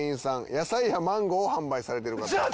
野菜やマンゴーを販売されている方。